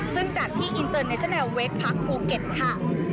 ซึ่งจัดที่อินเตอร์เนชแลลเวคพักภูเก็ตค่ะ